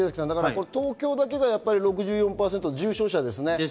東京だけが６４％、重症者ですね。